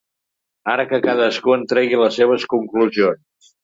Ara que cadascú en tregui les seves conclusions.